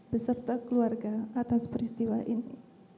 beserta keluarga atas peristiwa ini